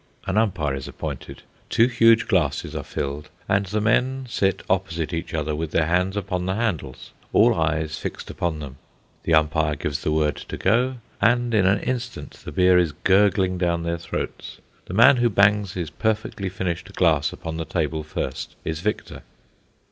An umpire is appointed, two huge glasses are filled, and the men sit opposite each other with their hands upon the handles, all eyes fixed upon them. The umpire gives the word to go, and in an instant the beer is gurgling down their throats. The man who bangs his perfectly finished glass upon the table first is victor.